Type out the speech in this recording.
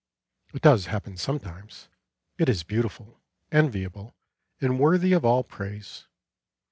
It does happen sometimes; it is beautiful, enviable, and worthy of all praise.